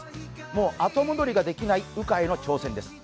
もう後戻りができない羽化への挑戦です。